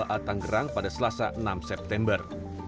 atanggerang pada selasa enam september